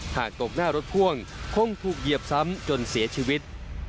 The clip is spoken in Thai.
ตกหน้ารถพ่วงคงถูกเหยียบซ้ำจนเสียชีวิต